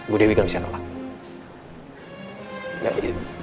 bu dewi gak bisa nenang